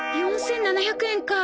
４７００円か。